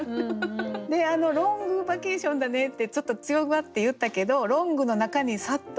であの「ロングバケーションだね」ってちょっと強がって言ったけど「ロング」の中に「ｓａｄ」も入ってる。